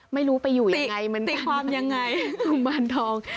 ไม่รู้ไปอยู่ยังไงมันมีความยังไงกุมารทอง